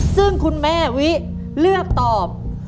ซึ่งคุณแม่วิเลือกตอบ